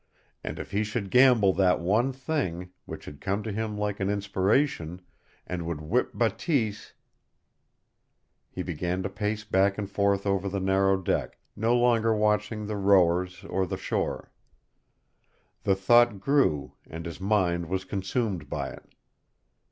And if he should gamble that one thing, which had come to him like an inspiration, and should whip Bateese He began to pace back and forth over the narrow deck, no longer watching the rowers or the shore. The thought grew, and his mind was consumed by it.